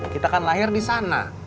kita kan lahir disana